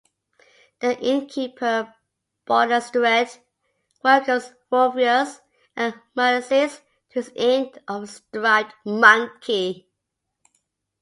The innkeeper Bodastoret welcomes Fulvius and Maciste to his Inn of the Striped Monkey.